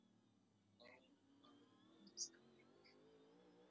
The following are the nominees and winners.